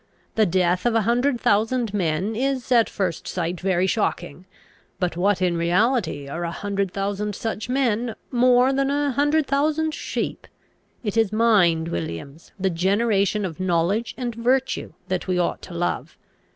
The death of a hundred thousand men is at first sight very shocking; but what in reality are a hundred thousand such men, more than a hundred thousand sheep? It is mind, Williams, the generation of knowledge and virtue, that we ought to love.